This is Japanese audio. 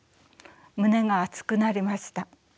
胸が熱くなりました。